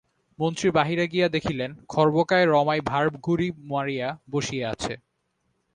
মন্ত্রী বাহিরে গিয়া দেখিলেন, খর্বকায় রমাই ভাঁড় গুঁড়ি মারিয়া বসিয়া আছে।